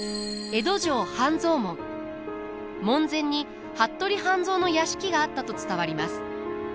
門前に服部半蔵の屋敷があったと伝わります。